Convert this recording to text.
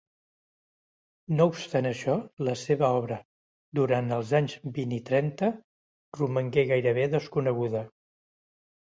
No obstant això, la seva obra, durant els anys vint i trenta, romangué gairebé desconeguda.